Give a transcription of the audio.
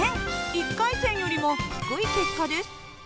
１回戦よりも低い結果です。